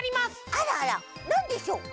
あらあらなんでしょう？